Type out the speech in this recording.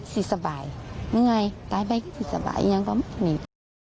สิสบายมึงไงตายไปสิสบายยังก็ไม่มี